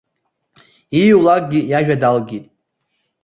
Ииулакгьы иажәа далгеит.